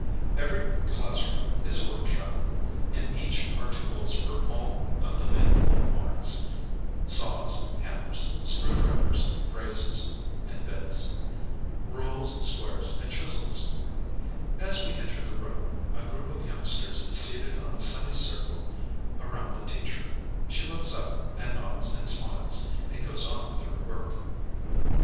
Ever>' classroom is a workshop. In each are tools for all of the manual arts ŌĆö saws, hammers, screw drivers, braces and bits, rules, squares, and chisels. As we enter the room, a group of youngsters is seated in a semi circle around the teacher. She looks up, and nods and smiles, and goes on with her work.